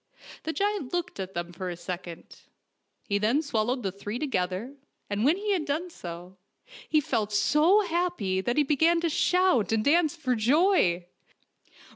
The giant looked at them for a second. He then swallowed the three together, and when he had done so, he felt so happy that he began to shout and dance for joy.